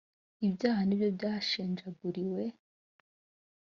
ibyaha ni byo yashenjaguriwe